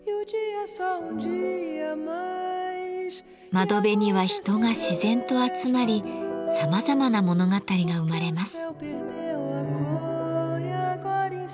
窓辺には人が自然と集まりさまざまな物語が生まれます。